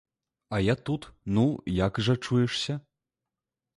А я тут, ну, як жа чуешся?